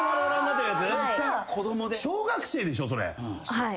はい。